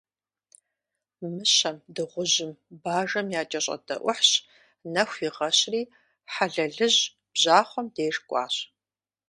Мыщэм, Дыгъужьым, Бажэм якӀэщӀэдэӀухьщ, нэху игъэщри, Хьэлэлыжь бжьахъуэм деж кӀуащ.